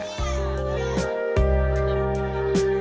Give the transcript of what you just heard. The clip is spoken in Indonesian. pertama diangkatan yang terbaik